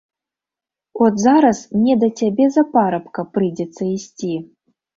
От зараз мне да цябе за парабка прыйдзецца ісці.